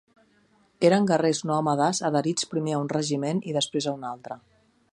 Eren guerrers nòmades, adherits primer a un regiment i després a un altre.